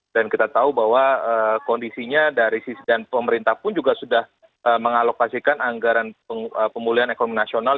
dan kita tahu bahwa kondisinya dari sisi dan pemerintah pun juga sudah mengalokasikan anggaran pemulihan ekonomi nasional